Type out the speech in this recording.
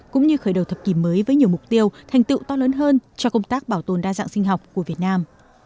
cũng như khởi đầu thập kỷ mới với nhiều mục tiêu thành tựu to lớn hơn cho công tác bảo tồn đa dạng sinh học của việt nam